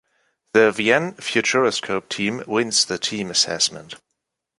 The Vienne Futuroscope team wins the team assessment.